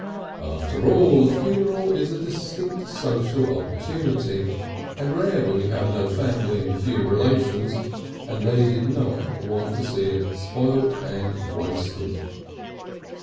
After all a funeral is a distinct social opportunity, and rare when you have no family and few relations, and they did not want to see it spoilt and wasted.